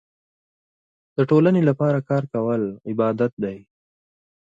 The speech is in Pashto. د ټولنې لپاره کار کول عبادت دی.